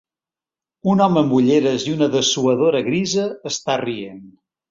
Un home amb ulleres i una dessuadora grisa està rient.